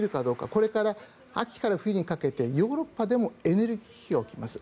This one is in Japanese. これから秋から冬にかけてヨーロッパでもエネルギー危機が起きます。